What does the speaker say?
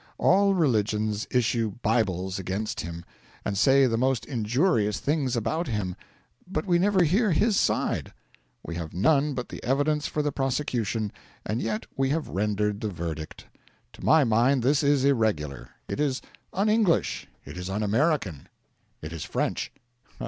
All religions issue Bibles against him, and say the most injurious things about him, but we never hear his side. We have none but the evidence for the prosecution, and yet we have rendered the verdict. To my mind, this is irregular. It is un English; it is un American; it is French.